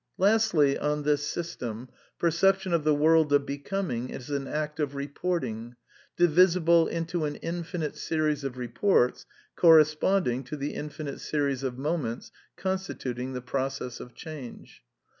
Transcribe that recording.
Lastly, on this system, perception of the world of Be coming is an act of reporting, divisible into an infini series of reports, corresponding to the infinite series of moments constituting the process of change.